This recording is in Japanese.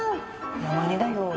山根だよ。